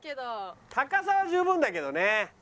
高さは十分だけどね。